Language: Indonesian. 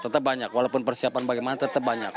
tetap banyak walaupun persiapan bagaimana tetap banyak